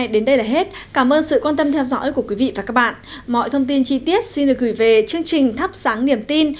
xin được gửi về chương trình thắp sáng niềm tin